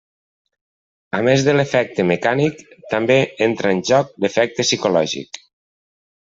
A més de l'efecte mecànic, també entra en joc l'efecte psicològic.